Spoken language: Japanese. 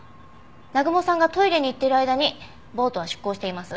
南雲さんがトイレに行っている間にボートは出航しています。